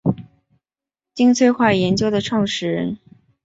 金催化研究的创始人。